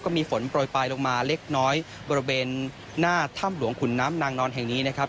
มีฝนโปรยปลายลงมาเล็กน้อยบริเวณหน้าถ้ำหลวงขุนน้ำนางนอนแห่งนี้นะครับ